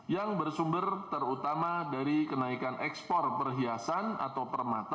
yang bersumber terutama dari kenaikan ekspor perhiasan atau permata